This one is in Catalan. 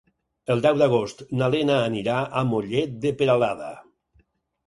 El deu d'agost na Lena anirà a Mollet de Peralada.